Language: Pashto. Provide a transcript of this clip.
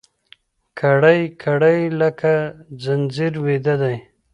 كړۍ، كـړۍ لكه ځنځير ويـده دی